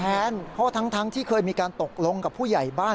เพราะทั้งที่เคยมีการตกลงกับผู้ใหญ่บ้าน